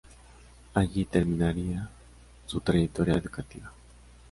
Allí terminará su trayectoria educativa.